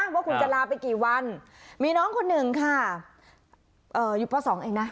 ว่าคุณจะลาไปกี่วันมีน้องคนหนึ่งค่ะอยู่ป๒เองนะ